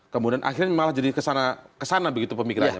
kemudian akhirnya malah jadi kesana begitu pemikirannya